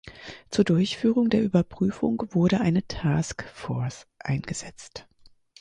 Zur Durchführung der Überprüfung wurde eine Taskforce eingesetzt.